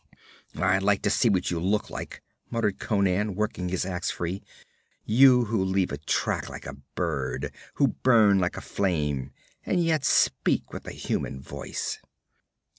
'I'd like to see what you look like,' muttered Conan, working his ax free, 'you who leave a track like a bird, who burn like a flame and yet speak with a human voice.'